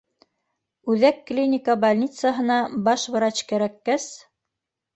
Үҙәк клиника больницаһына баш врач кәрәккәс